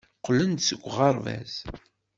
Qqlen-d seg uɣerbaz.